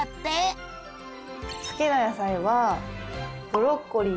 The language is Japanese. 好きな野菜はブロッコリーか。